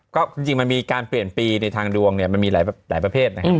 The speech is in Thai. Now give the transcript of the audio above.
ก็จริงมันมีการเปลี่ยนปีในทางดวงมันมีหลายประเภท